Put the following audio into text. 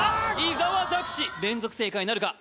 伊沢拓司連続正解なるか？